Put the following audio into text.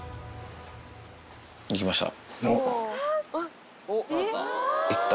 行きました！